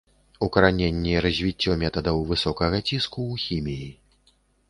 Укараненне і развіццё метадаў высокага ціску ў хіміі.